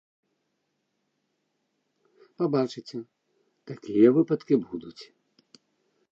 Пабачыце, такія выпадкі будуць!